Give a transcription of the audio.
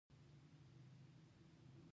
دوکاندار د خدای بنده دی، نه د پیسو.